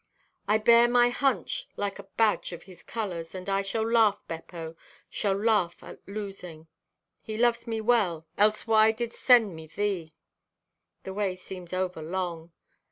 "I'll bear my hunch like a badge of His colors and I shall laugh, Beppo, shall laugh at losing. He loves me well, else why didst send me thee? "The way seems over long.